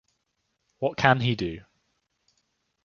What can he do?